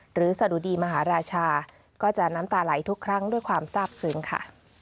สะดุดีมหาราชาก็จะน้ำตาไหลทุกครั้งด้วยความทราบซึ้งค่ะ